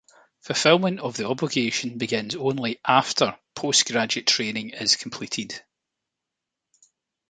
Fulfillment of the obligation begins only "after" postgraduate training is completed.